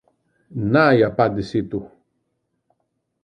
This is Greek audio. Να η απάντηση του!